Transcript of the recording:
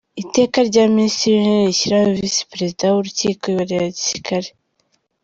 Iteka rya Minisitiri w’Intebe rishyiraho Visi Perezida w’Urukiko rwa Gisirikare:.